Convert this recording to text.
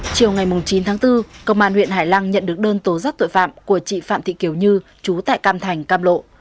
chiều ngày chín tháng bốn công an huyện hải lăng nhận được đơn tố giác tội phạm của chị phạm thị kiều như chú tại cam thành cam lộ